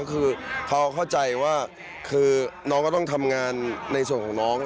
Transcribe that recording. คือเขาเข้าใจว่าคือน้องก็ต้องทำงานในส่วนของน้อง